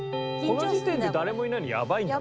この時点で誰もいないのやばいんだって。